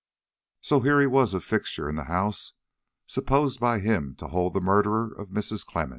So here he was a fixture in the house supposed by him to hold the murderer of Mrs. Clemmens.